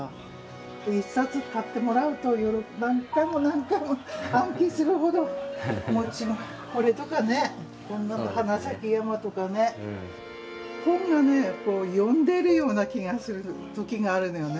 １冊買ってもらうと何回も何回も暗記するほどこれとかね「花さき山」とかね本がね呼んでるような気がする時があるのよね。